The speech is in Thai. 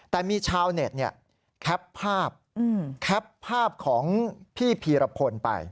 แต่มีชาวเน็ตแคปภาพแคปภาพของพี่พีรพลไป